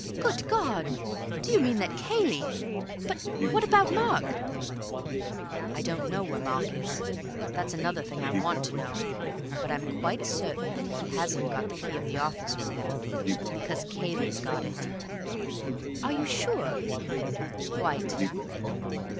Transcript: Good God! do you mean that Cayley—But what about Mark?" "I don't know where Mark is—that's another thing I want to know—but I'm quite certain that he hasn't got the key of the office with him. Because Cayley's got it." "Are you sure?" "Quite."